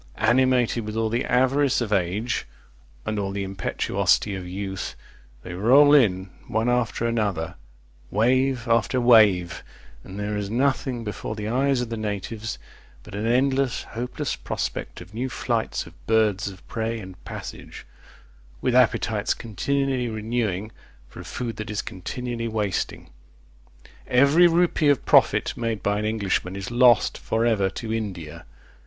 Animated with all the avarice of age, and all the impetuosity of youth, they roll in one after another; wave after wave; and there is nothing before the eyes of the natives but an endless, hopeless prospect of new flights of birds of prey and passage, with appetites continually renewing for a food that is continually wasting. Every rupee of profit made by an Englishman is lost for ever to India.